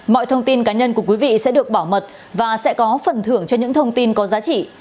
mọi thông tin cá nhân của quý vị sẽ được bảo mật và sẽ có phần thưởng cho những thông tin có giá trị